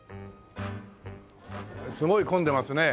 すごい混んでますね。